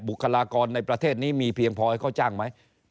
คลากรในประเทศนี้มีเพียงพอให้เขาจ้างไหม